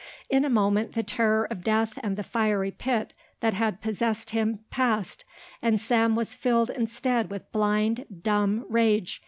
In a moment the terror of death and the fiery pit that had possessed him passed, and Sam was filled instead with blind, dumb rage.